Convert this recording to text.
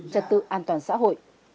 trật tự an toàn xã hội